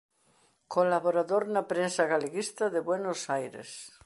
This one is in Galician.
Colaborador na prensa galeguista de Buenos Aires.